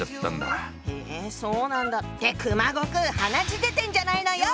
へそうなんだって熊悟空鼻血出てんじゃないのよ！